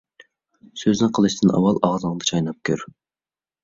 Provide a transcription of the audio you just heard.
سۆزنى قىلىشتىن ئاۋۋال، ئاغزىڭدا چايناپ كۆر.